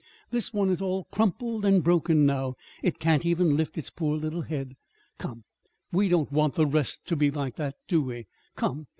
this one is all crumpled and broken now. It can't even lift its poor little head. Come, we don't want the rest to be like that, do we? Come!